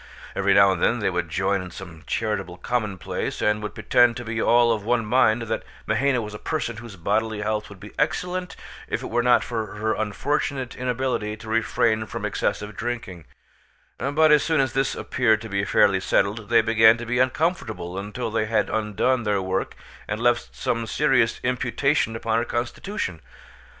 Every now and then they would join in some charitable commonplace, and would pretend to be all of one mind that Mahaina was a person whose bodily health would be excellent if it were not for her unfortunate inability to refrain from excessive drinking; but as soon as this appeared to be fairly settled they began to be uncomfortable until they had undone their work and left some serious imputation upon her constitution.